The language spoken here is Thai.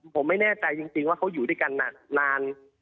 ผมไม่แน่ใจจริงว่าเขาอยู่ด้วยกันนาน